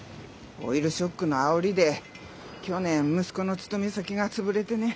オイルショックのあおりで去年息子の勤め先が潰れてね。